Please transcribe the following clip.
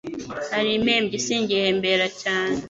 Hari impembyi singihembera cyane.